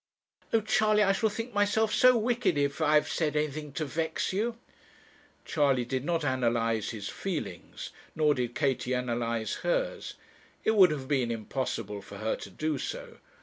Oh! Charley, I shall think myself so wicked if I have said anything to vex you.' Charley did not analyse his feelings, nor did Katie analyse hers. It would have been impossible for her to do so.